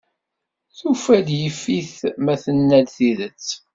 Tufa-d yif-it ma tenna-d tidet.